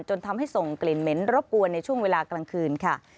จนทำให้ส่งกลิ่นเหม็นรบกวนในช่วงเวลากลางคืนค่ะ